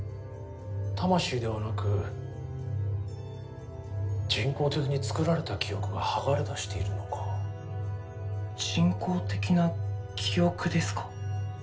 魂ではなく人工的につくられた記憶が剥がれだしているのか人工的な記憶ですか？